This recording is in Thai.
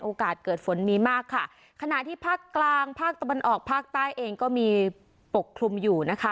เกิดฝนมีมากค่ะขณะที่ภาคกลางภาคตะวันออกภาคใต้เองก็มีปกคลุมอยู่นะคะ